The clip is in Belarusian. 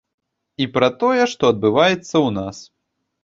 І пра тое, што адбываецца ў нас.